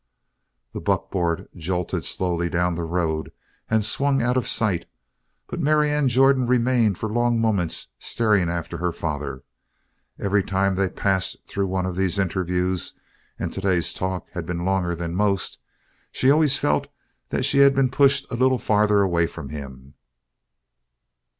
The buckboard jolted slowly down the road and swung out of sight, but Marianne Jordan remained for long moments, staring after her father. Every time they passed through one of these interviews and today's talk had been longer than most she always felt that she had been pushed a little farther away from him.